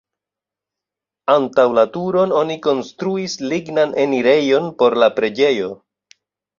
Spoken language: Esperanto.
Antaŭ la turon oni konstruis lignan enirejon por la preĝejo.